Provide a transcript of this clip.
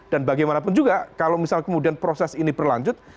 dan bagaimanapun juga kalau misalnya kemudian proses ini berlanjut